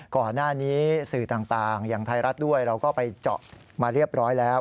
ก่อนหน้านี้สื่อต่างอย่างไทยรัฐด้วยเราก็ไปเจาะมาเรียบร้อยแล้ว